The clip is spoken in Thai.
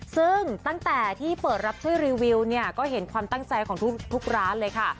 ซึ่งตั้งแต่ที่เปิดรับช่วยรีวิวเนี่ยก็เห็นความตั้งใจของทุกร้านเลยค่ะ